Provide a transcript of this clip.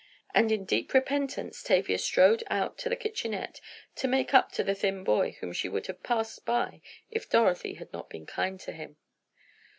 And in deep repentance Tavia strode out to the kitchenette, to make up to the thin boy whom she would have passed by if Dorothy had not been kind to him.